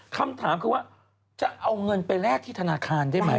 คำถามคือว่าจะเอาเงินไปแลกที่ธนาคารได้ไหม